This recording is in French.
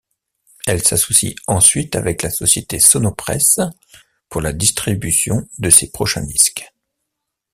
Elle s'associe ensuite avec la société Sonopresse, pour la distribution de ses prochains disques.